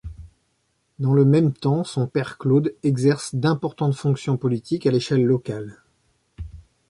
Dans le même temps, son père Claude exerce d'importantes fonctions politiques à l'échelle locale.